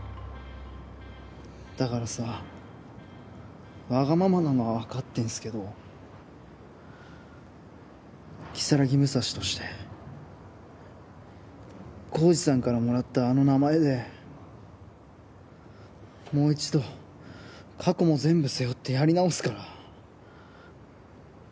だからさわがままなのはわかってんすけど如月武蔵として晃司さんからもらったあの名前でもう１度過去も全部背負ってやり直すから。